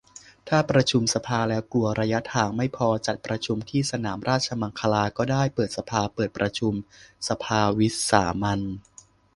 ถ้าประชุมสภาแล้วกลัวระยะหางไม่พอ จัดประชุมที่สนามราชมังคลาก็ได้ เปิดสภา เปิดประชุมสภาวิสามัญ